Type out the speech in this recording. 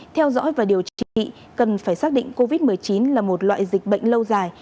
theo dõi và điều trị cần phải xác định covid một mươi chín là một loại dịch bệnh lâu dài